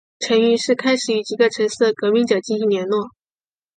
陈于是开始与几个城市的革命者进行联络。